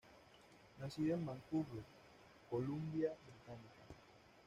Nacido en Vancouver, Columbia Británica.